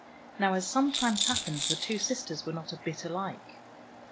Now, as sometimes happens, the two sis ters were not a bit alike.